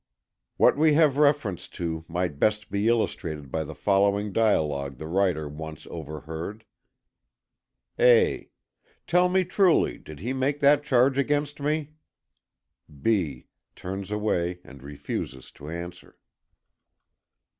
What we have reference to might best be illustrated by the following dialogue the writer once overheard: A. "Tell me truly, did he make that charge against me?" B. turns away and refuses to answer.